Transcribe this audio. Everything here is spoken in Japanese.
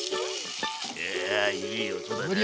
いやいい音だね。